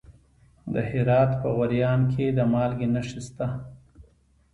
د هرات په غوریان کې د مالګې نښې شته.